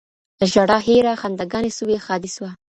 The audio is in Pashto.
ژړا هېره خنداګاني سوی ښادي سوه